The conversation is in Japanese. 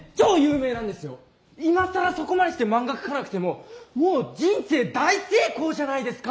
今更そこまでして漫画描かなくてももう人生大成功じゃないですか！